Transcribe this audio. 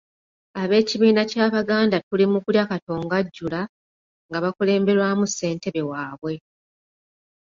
Ab'ekibiina ky'Abaganda Tuli Mu Kulya Katonga Ajjula, nga bakulemberwamu ssentebe waabwe.